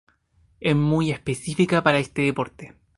Es muy específica para este deporte.